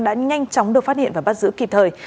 đã nhanh chóng được phát hiện và bắt giữ kịp thời